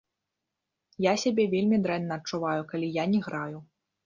Я сябе вельмі дрэнна адчуваю, калі я не граю.